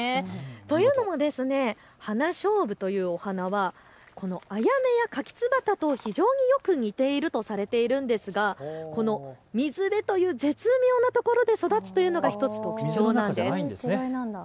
というのも花しょうぶというお花はアヤメやカキツバタと非常によく似ているとされているんですが水辺という絶妙なところで育つというのが１つ、特徴なんです。